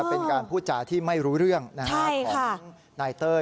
เป็นการพูดจาที่ไม่รู้เรื่องของนายเต้ย